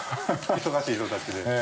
忙しい人たちで。